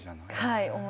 はい。